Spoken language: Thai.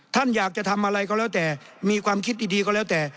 ท่านอยากจะทำอะไรก็แล้วแต่มีความคิดดีก็แล้วแต่